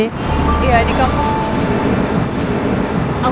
iya di kampung